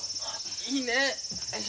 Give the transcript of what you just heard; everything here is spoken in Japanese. いいね。